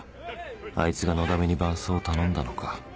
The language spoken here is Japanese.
あいつがのだめに伴奏を頼んだのか